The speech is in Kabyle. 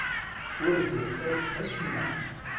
Ur d-yeṭṭif acemma.